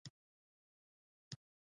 مقابله کول اسانه خبره نه وه.